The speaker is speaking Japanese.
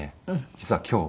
実は今日。